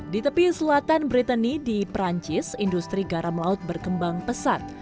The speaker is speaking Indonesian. di tepi selatan brittany di perancis industri garam laut berkembang pesat